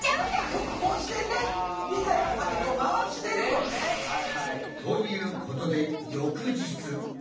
よくこうしてねピザ屋さんでこう回してるもんね。ということで翌日。